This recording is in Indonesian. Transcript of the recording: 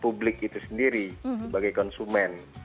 publik itu sendiri sebagai konsumen